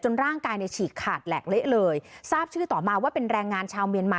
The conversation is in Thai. ร่างกายเนี่ยฉีกขาดแหลกเละเลยทราบชื่อต่อมาว่าเป็นแรงงานชาวเมียนมา